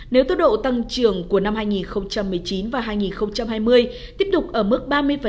nếu tốc độ tăng trưởng của năm hai nghìn một mươi chín và hai nghìn hai mươi tiếp tục ở mức ba mươi